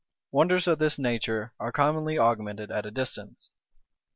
Wonders of this nature are commonly augmented at a distance.